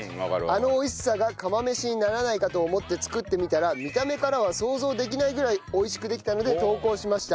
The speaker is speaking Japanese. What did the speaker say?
あの美味しさが釜飯にならないかと思って作ってみたら見た目からは想像できないぐらい美味しくできたので投稿しました。